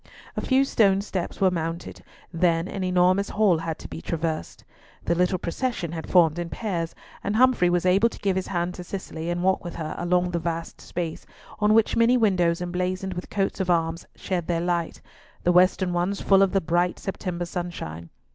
A few stone steps were mounted, then an enormous hall had to be traversed. The little procession had formed in pairs, and Humfrey was able to give his hand to Cicely and walk with her along the vast space, on which many windows emblazoned with coats of arms shed their light—the western ones full of the bright September sunshine.